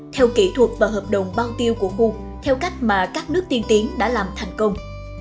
thông tiêu của khu theo cách mà các nước tiên tiến đã làm thành công